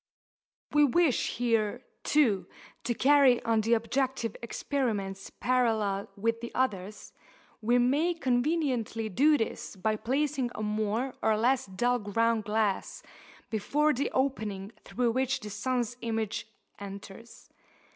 If we wish here, too, to carry on the objective experiments parallel with the others, we may conveniently do this by placing a more or less dull ground glass before the opening through which the sun's image enters.